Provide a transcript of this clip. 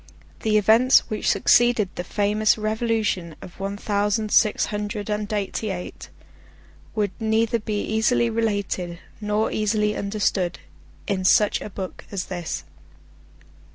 The events which succeeded the famous Revolution of one thousand six hundred and eighty eight, would neither be easily related nor easily understood in such a book as this.